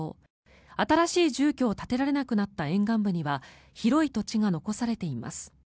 新しい住居を立てられなくなった沿岸には広い土地が残されています。